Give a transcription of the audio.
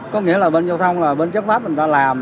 có nghĩa là bên giao thông là bên chất pháp người ta làm